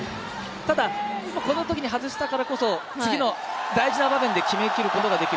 ただ、このときに外したからこそ次の大事な場面で決めきることができる。